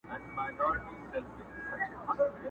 زه دي يو ځلي پر ژبه مچومه،